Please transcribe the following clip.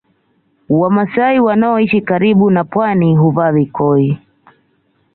Wamasai wanaoishi karibu na Pwani huvaa kikoi